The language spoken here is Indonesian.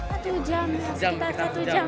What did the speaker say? satu jamnya sekitar satu jam